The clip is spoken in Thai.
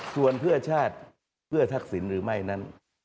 ส่วนเพื่อชาติเพื่อทักษิณหรือไม่นั้น